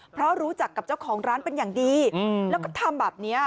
เพราะรู้จักกับเจ้าของร้านเป็นอย่างดีแล้วก็ทำแบบนี้